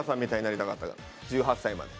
１８歳まで。